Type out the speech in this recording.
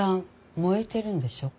燃えてるんでしょ。